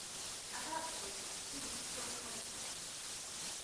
At that point, he was still comatose.